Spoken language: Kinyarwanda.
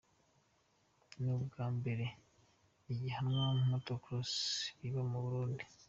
Ni ubwa mbere ihiganwa Motor cross riba mu Burundi.